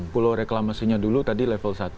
pulau reklamasinya dulu tadi level satu